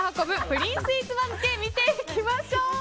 プリンスイーツ番付を見ていきましょう。